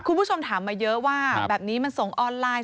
คุณผู้ชมถามมาเยอะว่าแบบนี้มันส่งออนไลน์